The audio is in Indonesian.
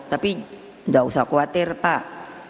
tapi tidak usah khawatir pak